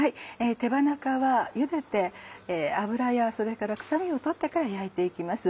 手羽中はゆでて脂やそれから臭みを取ってから焼いて行きます。